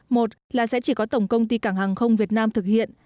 một là sẽ chỉ có tổng công ty cảng hàng không việt nam thực hiện